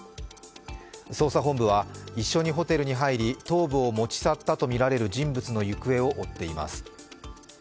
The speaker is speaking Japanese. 捜査本部は、一緒にホテルに入り頭部を持ち去ったとみられる人物の行方を追っています。